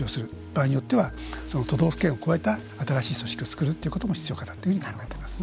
場合によっては都道府県を越えた新しい組織を作るということも必要かなと考えています。